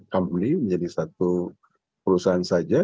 company menjadi satu perusahaan saja